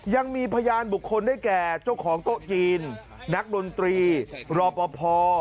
ยังมีพยานบุคคลได้แก่เจ้าของโต๊ะจีนนักดนตรีรอปภ